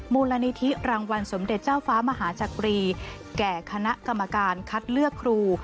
มูลนิธิรางวัลสมเด็จเจ้าฟ้ามหาจักรีแก่คณะกรรมการคัดเลือกครู